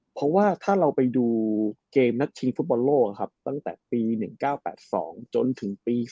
เพราะว่าถ้าเราไปดูเกมนัดชิงฟุตบอลโลกครับตั้งแต่ปี๑๙๘๒จนถึงปี๒๕